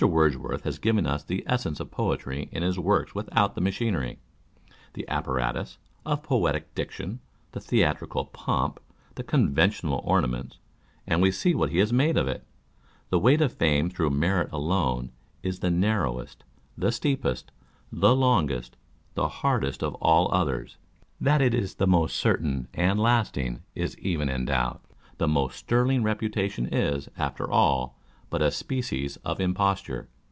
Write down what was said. Words worth has given us the essence of poetry in his works without the machinery, the apparatus, of poetical diction, the theatrical pomp, the conventional ornaments ; and we see what he has made of it. The way to fame through merit alone, is the narrowest, the steepest, the longest, the hardest of all others â€" (that it is the most certain and lasting, is even a doubt) â€" the most sterling reputation is, after all, but a species of imposture.